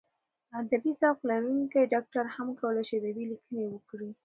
ادبي ذوق لرونکی ډاکټر هم کولای شي ادبي لیکنې وکړي.